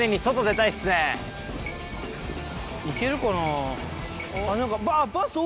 行けるかな。